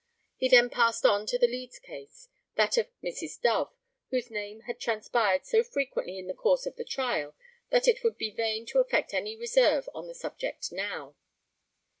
He then passed on to the Leeds case that of Mrs. Dove, whose name had transpired so frequently in the course of the trial, that it would be vain to affect any reserve on the subject now.